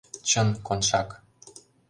— Чын, Коншак!